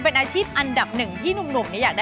ก็อาธิบย์โน้มมั้ยคะ